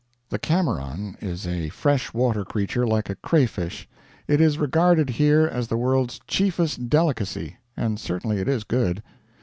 The camaron is a fresh water creature like a cray fish. It is regarded here as the world's chiefest delicacy and certainly it is good.